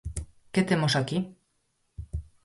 ¿Que temos aquí?